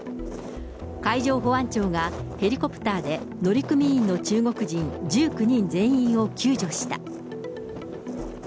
海上保安庁がヘリコプターで乗組員の中国人１９人全員を救助した。